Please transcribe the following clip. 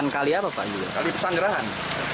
kali pesan gerahan